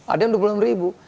ada yang dua puluh enam ribu